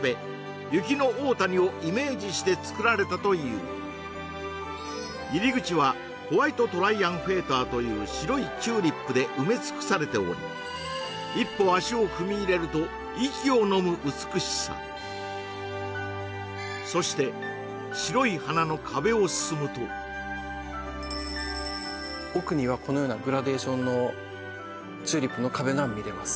雪の大谷をイメージして作られたという入り口はホワイトトライアンフェーターという白いチューリップで埋め尽くされており一歩足を踏み入れると息をのむ美しさそして奥にはこのようなグラデーションのチューリップの壁が見れます